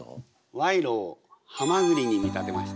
賄賂をはまぐりに見立てました。